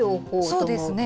そうですね。